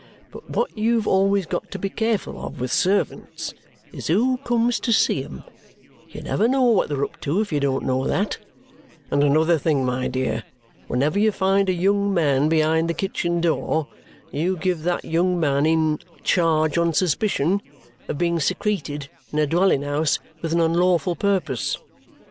But what you've always got to be careful of with servants is who comes to see 'em; you never know what they're up to if you don't know that. And another thing, my dear. Whenever you find a young man behind the kitchen door, you give that young man in charge on suspicion of being secreted in a dwelling house with an unlawful purpose."